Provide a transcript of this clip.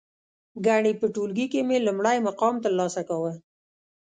گني په ټولگي کې مې لومړی مقام ترلاسه کاوه.